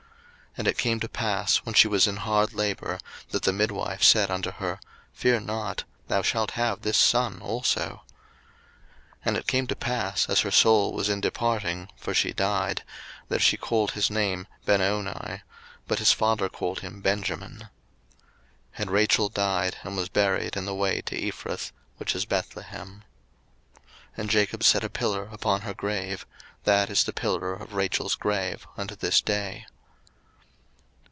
01:035:017 And it came to pass, when she was in hard labour, that the midwife said unto her, Fear not; thou shalt have this son also. 01:035:018 And it came to pass, as her soul was in departing, (for she died) that she called his name Benoni: but his father called him Benjamin. 01:035:019 And Rachel died, and was buried in the way to Ephrath, which is Bethlehem. 01:035:020 And Jacob set a pillar upon her grave: that is the pillar of Rachel's grave unto this day.